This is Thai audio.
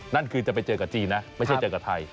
นั่นคือจะไปเจอกับจีนนะไม่ใช่เจอกับไทย